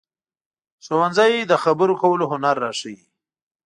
ښوونځی د خبرو کولو هنر راښيي